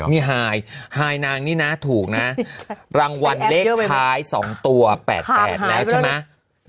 มีไฮนางนี่นะถูกนะรางวัลเลขท้าย๒ตัว๘๘แล้วใช่ไหม